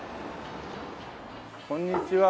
こんにちは。